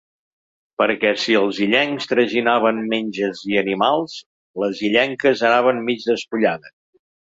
Perquè si els illencs traginaven menges i animals, les illenques anaven mig despullades.